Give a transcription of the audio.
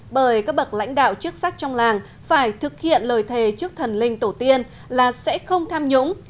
bởi các bậc lãnh đạo chức sắc trong làng phải thực hiện lời thề trước thần linh tổ tiên là sẽ không tham nhũng